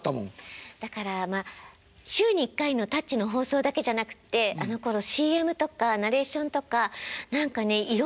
だからまあ週に１回の「タッチ」の放送だけじゃなくてあのころＣＭとかナレーションとか何かねいろんなお仕事。